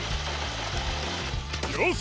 よし！